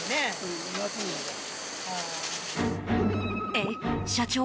えっ、社長。